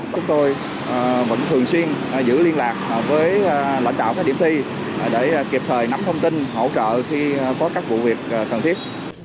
chúng tôi vẫn thường xuyên giữ liên lạc với lãnh đạo các điểm thi để kịp thời nắm thông tin hỗ trợ khi có các vụ việc cần thiết